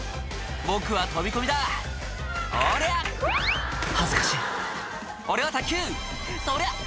「僕は飛び込みだおりゃ！」恥ずかしい「俺は卓球そりゃ！」